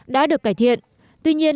đã được cải thiện tuy nhiên